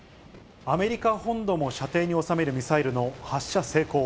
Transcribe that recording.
アメリカ本土も射程に収めるミサイルの発射成功。